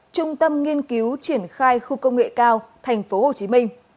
trung tâm nghiên cứu triển khai khu công nghệ cao tp hcm